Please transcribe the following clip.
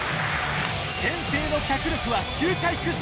天性の脚力は球界屈指！